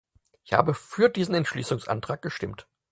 Ich habe für diesen Entschließungsentwurf gestimmt.